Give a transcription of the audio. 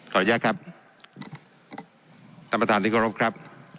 ขออนุญาตครับท่านประธานที่เคารพครับ